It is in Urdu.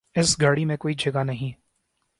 اس گاڑی میں کوئی جگہ نہیں